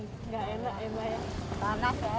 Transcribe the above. nggak enak mbak ya